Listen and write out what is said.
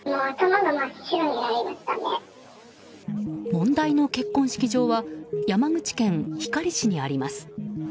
問題の結婚式場は山口県光市にあります。